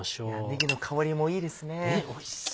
ねぎの香りもいいですね。